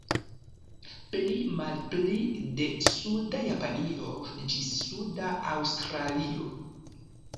Pli-malpli de suda Japanio ĝis suda Aŭstralio.